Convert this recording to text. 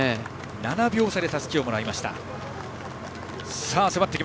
７秒差でたすきをもらいました。